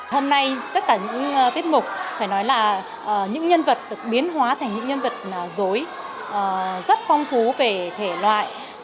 hôm nay tất cả những tiết mục phải nói là những nhân vật được biến hóa thành những nhân vật dối rất phong phú về thể loại